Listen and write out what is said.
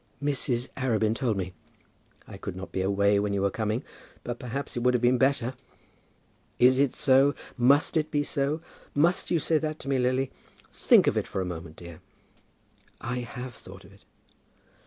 "Mrs. Arabin told me. I could not be away when you were coming, but perhaps it would have been better." "Is it so? Must it be so? Must you say that to me, Lily? Think of it for a moment, dear." "I have thought of it."